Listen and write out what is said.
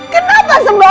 kenapa kenapa sembara